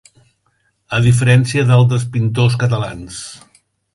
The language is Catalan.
A diferència d'altres pintors catalans.